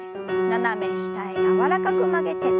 斜め下へ柔らかく曲げて。